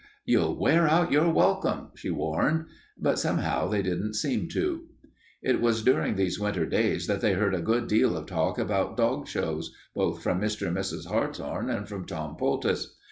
"You'll wear out your welcome," she warned. But somehow they didn't seem to. It was during these winter days that they heard a good deal of talk about dog shows, both from Mr. and Mrs. Hartshorn and from Tom Poultice.